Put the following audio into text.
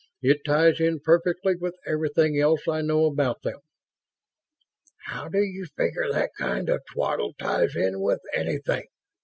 It ties in perfectly with everything else I know about them." "How do you figure that kind of twaddle ties in with anything?"